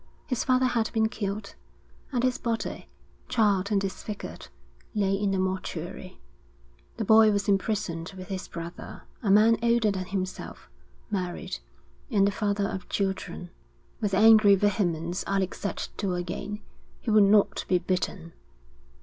His father had been killed, and his body, charred and disfigured, lay in the mortuary. The boy was imprisoned with his brother, a man older than himself, married, and the father of children. With angry vehemence Alec set to again. He would not be beaten.